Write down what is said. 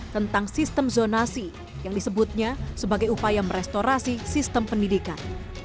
tentang sistem zonasi yang disebutnya sebagai upaya merestorasi sistem pendidikan